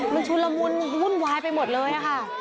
มันชุนละมุนวุ่นวายไปหมดเลยค่ะ